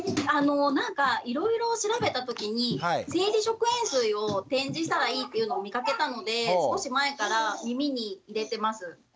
いろいろ調べたときに生理食塩水を点耳したらいいというのを見かけたので少し前から耳に入れてます。